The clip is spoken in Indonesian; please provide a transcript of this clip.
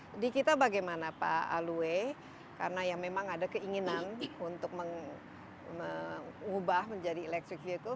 jadi kita bagaimana pak alue karena memang ada keinginan untuk mengubah menjadi electric vehicle